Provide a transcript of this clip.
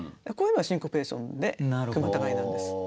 こういうのはシンコペーションで句またがりなんです。